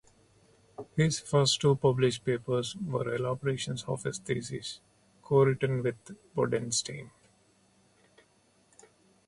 His first two published papers were elaborations of his thesis, co-written with Bodenstein.